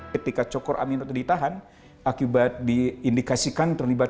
ketika soekarno ditahan akibat diindikasikan terlibat